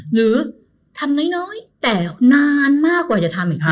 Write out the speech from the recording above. หรือทำน้อยแต่นานมากกว่าจะทำอีกครั้ง